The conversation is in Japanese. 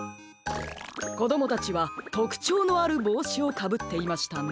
こどもたちはとくちょうのあるぼうしをかぶっていましたね。